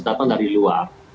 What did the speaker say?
tidak ada yang datang dari luar